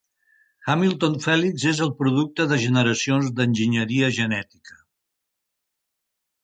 Hamilton Felix és el producte de generacions d'enginyeria genètica.